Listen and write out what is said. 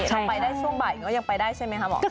ถ้าไปได้ช่วงบ่ายก็ยังไปได้ใช่ไหมคะหมอ